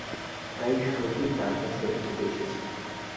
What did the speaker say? তাই সোফি তার কাছে ছুটে এসেছে।